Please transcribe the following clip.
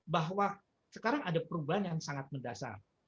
bahwa sekarang ada perubahan yang sangat mendasar